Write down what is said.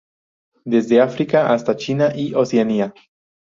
Desde África hasta China y Oceanía.